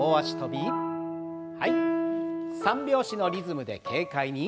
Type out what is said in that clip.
３拍子のリズムで軽快に。